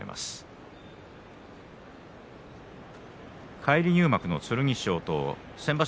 返り入幕の剣翔と先場所